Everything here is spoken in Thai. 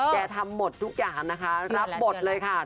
ทำหมดทุกอย่างนะคะรับหมดเลยค่ะ